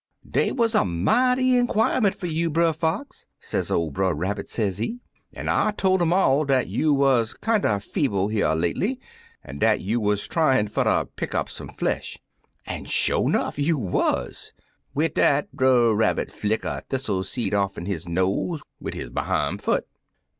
* Dey wuz a mighty inquirement fer you, Brer Fox,' sez oY Brer Rabbit, sezee, *an* I toY um all dat you wuz kinder feeble, here lately, an* dat you wuz tryin' fer ter pick up some flesh. An', sho* 'nough, you wuz/ Wid dat, Brer Rabbit flick a thistle seed off*n his nose wid his behime foot.